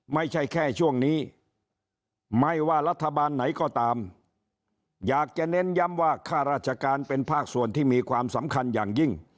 ไม่ใช่แค่ช่วงนี้ไม่ว่ารัฐบาลไหนก็ตามอยากจะเน้นย้ำว่าค่าราชการเป็นภาคส่วนที่มีความสำคัญอย่างยิ่ง